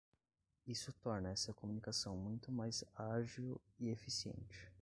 Isso torna essa comunicação muito mais ágil e eficiente.